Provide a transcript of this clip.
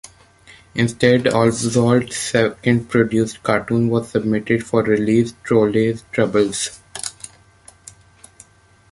Instead, Oswald's second-produced cartoon was submitted for release: "Trolley Troubles".